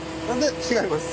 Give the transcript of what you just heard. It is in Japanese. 違います。